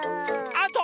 あと！